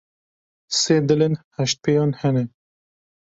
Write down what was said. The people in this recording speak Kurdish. Sê dilên heştpêyan heye.